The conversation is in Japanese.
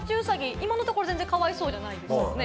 今のところ全然かわいそうじゃないですよね。